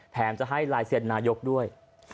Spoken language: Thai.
แถมจะให้ลายเซียนนายกด้วย